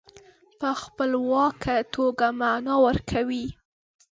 په خپلواکه توګه معنا ورکوي.